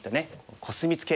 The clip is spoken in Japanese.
コスミツケ